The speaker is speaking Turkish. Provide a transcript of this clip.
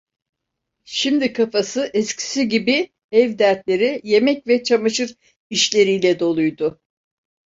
Şimdi kafası eskisi gibi ev dertleri, yemek ve çamaşır işleriyle doluydu.